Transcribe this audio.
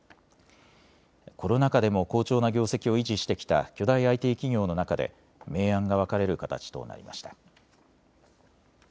コロナ禍でも好調な業績を維持してきた巨大ＩＴ企業の中で明暗が分かれる形となりました。